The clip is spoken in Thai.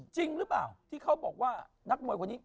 จริงหรือเปล่าที่เขาบอกว่านักมวยคนนี้